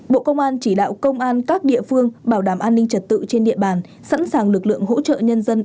bộ công an chỉ đạo công an các địa phương bảo đảm an ninh trật tự trên địa bàn sẵn sàng lực lượng hỗ trợ nhân dân